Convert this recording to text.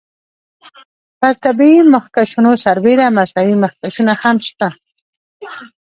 پر طبیعي مخکشونو سربیره مصنوعي مخکشونه هم شته.